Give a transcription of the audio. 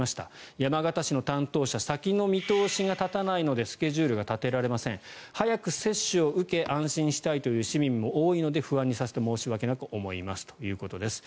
山形市の担当者先の見通しが立たないのでスケジュールが立てられません早く接種を受け安心したいという市民も多いので不安にさせて申し訳なく思いますということです。